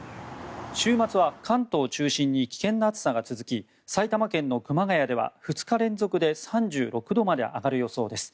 週末は関東中心に危険な暑さが続き埼玉県の熊谷では２日連続で３６度まで上がる予想です。